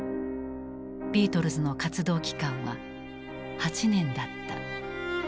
ビートルズの活動期間は８年だった。